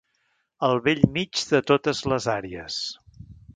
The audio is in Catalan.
Al bell mig de totes les àrees.